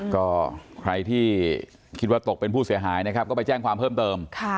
ก็ใครที่คิดว่าตกเป็นผู้เสียหายนะครับก็ไปแจ้งความเพิ่มเติม